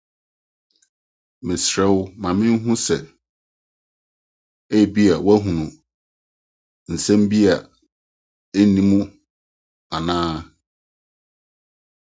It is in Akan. Mesrɛ wo, ma minhu sɛ ebia woahu nsɛm bi a enni mu anaa.